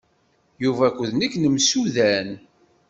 Yuba akked nekk nemsudan.